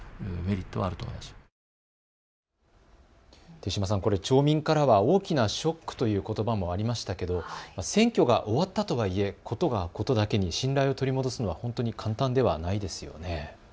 豊嶋さん、町民からは大きなショックということばもありましたけれども選挙が終わったとはいえことがことだけに信頼を取り戻すのはほんとに簡単ではないですよね。